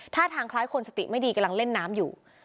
ท่าทางคล้ายคนสติไม่ดีกำลังเล่นน้ำอยู่